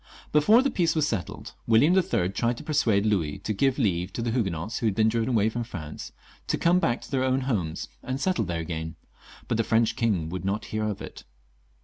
Before the peace was settled, William IIL tried to persuade Louis to give leave to the Huguenots who had been driven away from France to come back to their own homes and settle there again, but the French king would not hear of it.